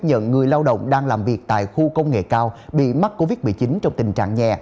nhận người lao động đang làm việc tại khu công nghệ cao bị mắc covid một mươi chín trong tình trạng nhẹ